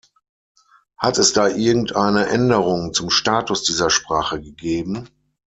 Hat es da irgendeine Änderung zum Status dieser Sprache gegeben?